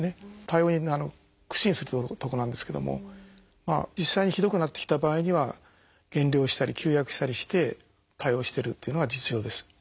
対応に苦心するとこなんですけども実際にひどくなってきた場合には減量したり休薬したりして対応してるっていうのが実情です。